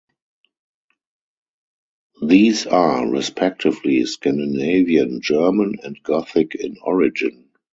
These are, respectively, Scandinavian, German, and Gothic in origin.